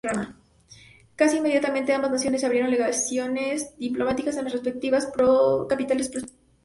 Casi inmediatamente, ambas naciones abrieron legaciones diplomáticas en las respectivas capitales, respectivamente.